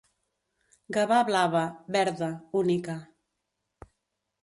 Gavà blava, verda, única.